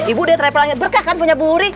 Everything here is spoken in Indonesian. ibu dia terlalu berkah kan punya bu wuri